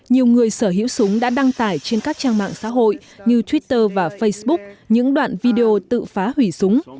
nhiều người sở hữu súng đã đăng tải trên các trang mạng xã hội như twitter và facebook những đoạn video tự phá hủy súng